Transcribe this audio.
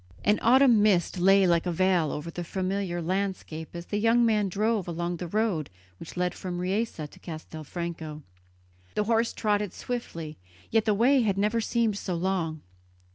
An autumn mist lay like a veil over the familiar landscape as the young man drove along the road which led from Riese to Castelfranco. The horse trotted swiftly, yet the way had never seemed so long.